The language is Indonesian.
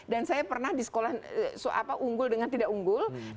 dan saya pernah di sekolah unggul dengan tidak berjaya